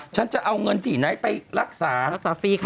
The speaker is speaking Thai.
ฉันจะเอาเงินที่ไหนไปรักษารักษาฟรีค่ะ